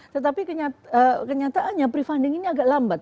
tetapi kenyataannya prefunding ini agak lambat